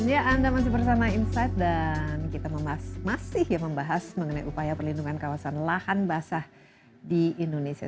ya anda masih bersama insight dan kita masih membahas mengenai upaya perlindungan kawasan lahan basah di indonesia